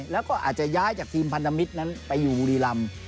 แล้วก็อาจจะย้ายจากทีมพันธมิตรนั้นไปอยู่บุรีรำ